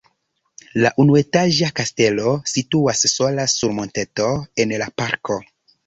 La unuetaĝa kastelo situas sola sur monteto en la parko.